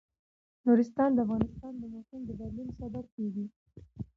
نورستان د افغانستان د موسم د بدلون سبب کېږي.